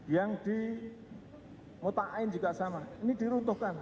yang di mota'in juga sama ini diruntuhkan